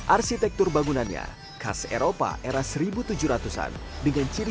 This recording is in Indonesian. arsitektur bangunannya khas eropa era seribu tujuh ratus an dengan ciri ciri bangunan tinggi dan tinggi